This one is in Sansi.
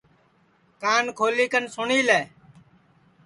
کان کھولی کن سُٹؔی لے